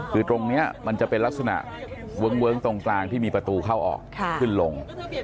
คือตรงนี้มันจะเป็นลักษณะเวิ้งตรงกลางที่มีประตูเข้าออกขึ้นลง